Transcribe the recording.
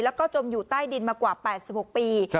แล้วก็จมอยู่ใต้ดินมากว่า๘๖ปี